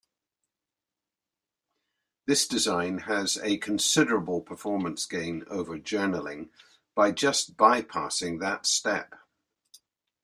This design has a considerable performance gain over journaling, by just bypassing that step.